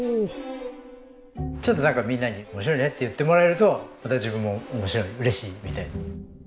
ちょっとなんかみんなに「面白いね」って言ってもらえるとまた自分も面白い嬉しいみたいな。